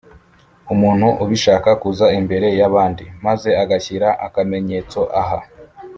umuntu ubishaka kuza imbere y’abandi, maze agashyira akamenyetso aha